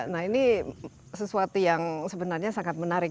nah ini sesuatu yang sebenarnya sangat menarik